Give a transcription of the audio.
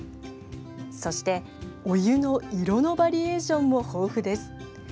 そして、お湯の色のバリエーションも豊富です。